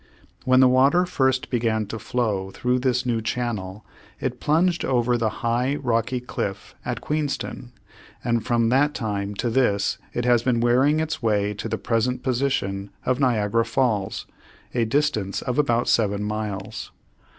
When the water first began to flow through this new channel it plunged over the high rocky cliff at Queenstown, and from that time to this it has been wearing its way back to the present position of Niagara Falls, a distance of about seven miles.